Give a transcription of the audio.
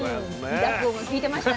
鼻濁音が利いてましたね。